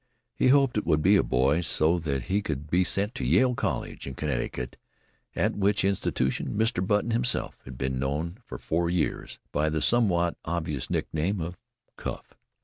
He hoped it would be a boy so that he could be sent to Yale College in Connecticut, at which institution Mr. Button himself had been known for four years by the somewhat obvious nickname of "Cuff."